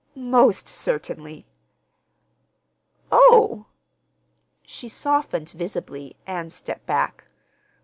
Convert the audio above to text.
"Most certainly!" "Oh!" She softened visibly, and stepped back.